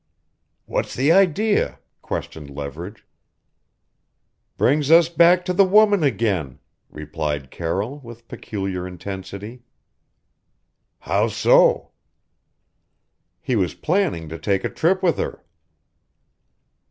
"What's the idea?" questioned Leverage. "Brings us back to the woman again," replied Carroll, with peculiar intensity. "How so?" "He was planning to take a trip with her."